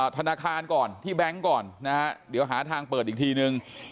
ธนาคารก่อนที่แบงค์ก่อนนะฮะเดี๋ยวหาทางเปิดอีกทีนึง